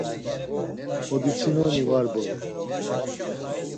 Oditsinoni var voret.